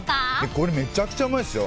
これめちゃくちゃうまいですよ。